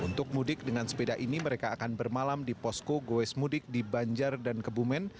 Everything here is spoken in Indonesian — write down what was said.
untuk mudik dengan sepeda ini mereka akan bermalam di posko goes mudik di banjar dan kebumen